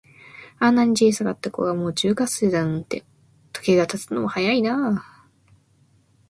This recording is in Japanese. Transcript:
あんなに小さかった子が、もう中学生だなんて、時が経つのは早いなあ。